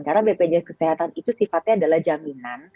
karena bpjs kesehatan itu sifatnya adalah jaminan